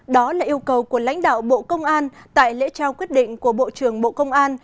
đó là yêu cầu của lãnh đạo bộ công an tại lễ trao quyết định của bộ trưởng bộ công an